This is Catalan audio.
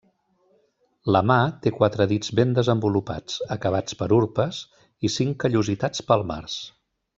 La mà té quatre dits ben desenvolupats, acabats per urpes i cinc callositats palmars.